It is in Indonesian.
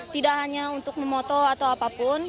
tidak hanya untuk memoto atau apapun